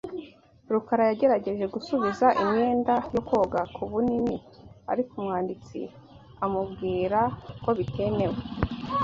rukara yagerageje gusubiza imyenda yo koga ku bunini, ariko umwanditsi amubwira ko bitemewe .